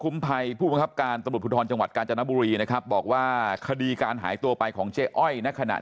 มันก็เลยไหม้หน่อย